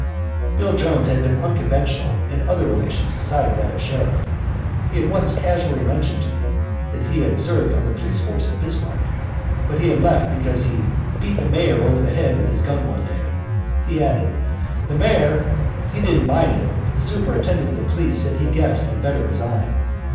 Bill Jones had been unconventional in other relations besides that of sheriff. He once casually mentioned to me that he had served on the police force of Bismarck, but he had left because he "beat the Mayor over the head with his gun one day." He added: "The Mayor, he didn't mind it, but the Superintendent of Police said he guessed I'd better resign."